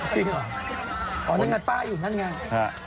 จริงเหรออ๋อนั่นไงป้าอยู่นั่นไง